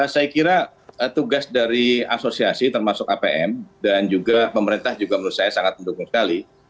saya kira tugas dari asosiasi termasuk apm dan juga pemerintah juga menurut saya sangat mendukung sekali